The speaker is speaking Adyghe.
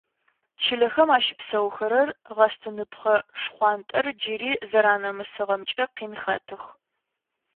Чылэхэм ащыпсэухэрэр гъэстыныпхъэ шхъуантӏэр джыри зэранэмысыгъэмкӏэ къин хэтых.